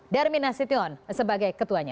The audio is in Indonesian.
darmin nasution sebagai ketuanya